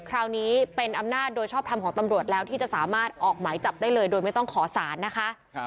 คราวนี้เป็นอำนาจโดยชอบทำของตำรวจแล้วที่จะสามารถออกหมายจับได้เลยโดยไม่ต้องขอสารนะคะ